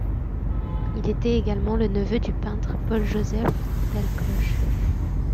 Il était également le neveu du peintre Paul-Joseph Delcloche.